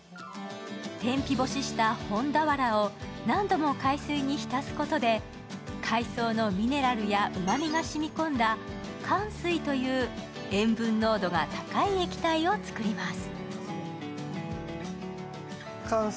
天日干ししたホンダワラを何度も海水にひたすことで、海藻のミネラルやうまみがしみ込んだかん水という塩分濃度が高い液体を作ります。